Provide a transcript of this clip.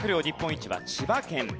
日本一は千葉県。